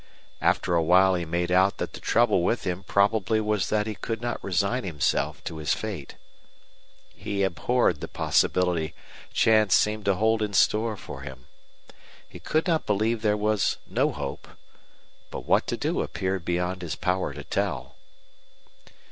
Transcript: After a while he made out that the trouble with him probably was that he could not resign himself to his fate. He abhorred the possibility chance seemed to hold in store for him. He could not believe there was no hope. But what to do appeared beyond his power to tell.